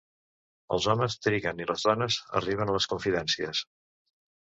Els homes triguen i les dones arriben a les confidències.